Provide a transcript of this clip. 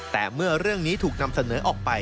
แต่เมื่อเรื่องนี้ถูกนำเสนอออกไป